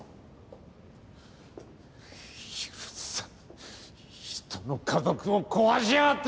許さん人の家族を壊しやがって！